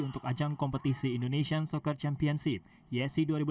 untuk ajang kompetisi indonesian soccer championship ysc dua ribu enam belas